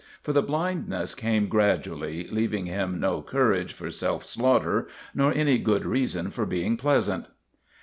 For the blindness came gradually, leaving him no courage for self slaughter nor any good reason for being pleasant.